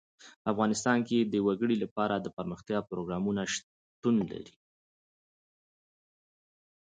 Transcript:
افغانستان کې د وګړي لپاره دپرمختیا پروګرامونه شته.